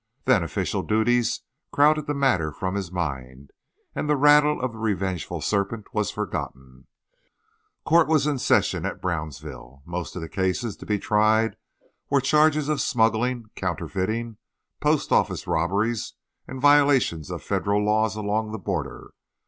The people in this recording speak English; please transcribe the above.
Then official duties crowded the matter from his mind, and the rattle of the revengeful serpent was forgotten. Court was in session at Brownsville. Most of the cases to be tried were charges of smuggling, counterfeiting, post office robberies, and violations of Federal laws along the border.